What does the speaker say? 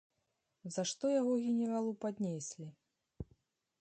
За што яго генералу паднеслі?